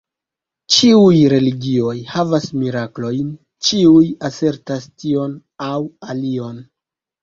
Ĉiuj religioj havas miraklojn, ĉiuj asertas tion aŭ alion.